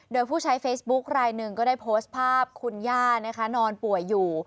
โดยผู้ใช้เฟซบุ๊คลายหนึ่งก็ได้โพสต์ภาพคุณย่านะคะนอนป่วยอยู่